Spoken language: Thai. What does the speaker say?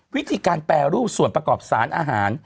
วิธีการแปรรูปส่วนประกอบสารอาหาร